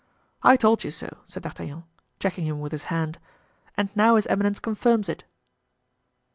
"I told you so," said D'Artagnan, checking him with his hand; "and now his eminence confirms it."